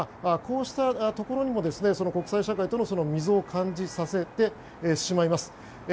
こうしたところにも国際社会との溝を感じさせてしまいます。